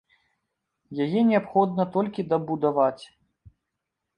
Яе неабходна толькі дабудаваць.